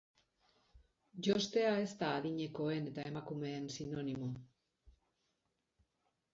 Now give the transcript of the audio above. Jostea ez da adinekoen eta emakumeen sinonimo.